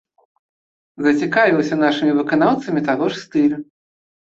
Зацікавіўся нашымі выканаўцамі таго ж стылю.